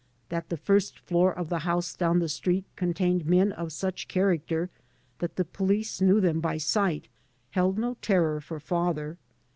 That the first floor of the house down the street contained men of such character that the police knew them by sight held no terror for father.